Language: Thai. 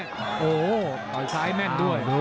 หน่อยสายแม่นด้วย